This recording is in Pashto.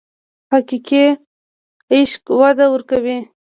حقیقي عشق وده ورکوي.